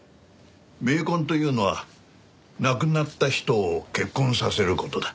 冥婚というのは亡くなった人を結婚させる事だ。